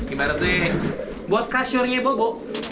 gimana tuh buat kasurnya bobo